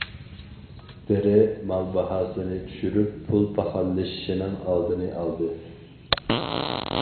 بىرى، مال باھاسىنى چۈشۈرۈپ، پۇل پاخاللىشىشنىڭ ئالدىنى ئالدى.